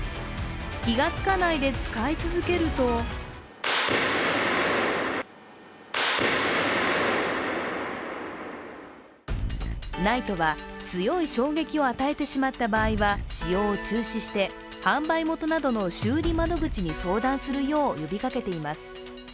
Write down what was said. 気がつかないで使い続けるとＮＩＴＥは、強い衝撃を与えてしまった場合は使用を中止して販売元などの修理窓口に相談するよう呼びかけています。